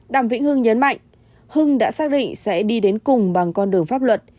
đàm vĩnh hưng nhấn mạnh hưng đã xác định sẽ đi đến cùng bằng con đường pháp luật